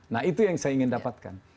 nah itu yang saya ingin dapatkan